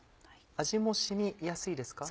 味も染みやすいですか？